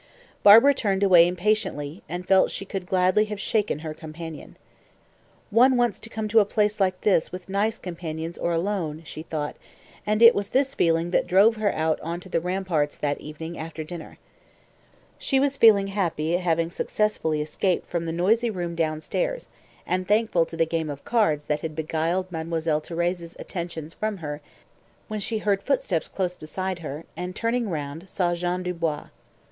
Barbara turned away impatiently, and felt she could gladly have shaken her companion. "One wants to come to a place like this with nice companions or alone," she thought, and it was this feeling that drove her out on to the ramparts that evening after dinner. She was feeling happy at having successfully escaped from the noisy room downstairs, and thankful to the game of cards that had beguiled Mademoiselle Thérèse's attention from her, when she heard footsteps close beside her, and, turning round, saw Jean Dubois.